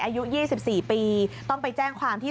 อายุ๒๔ปีต้องไปแจ้งความที่